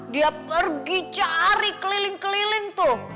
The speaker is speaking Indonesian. dia pergi cari keliling keliling tuh